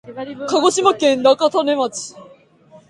鹿児島県中種子町